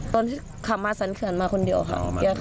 ตอนที่ขับมาสรรเขื่อนมาคนเดียวค่ะ